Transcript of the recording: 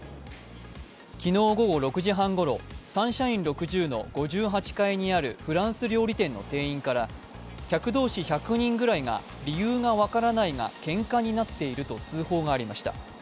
昨日午後６時半ごろ、サンシャイン６０の５８階にあるフランス料理店の店員から、客同士１００人ぐらいが理由が分からないがけんかになっていると通報がありました。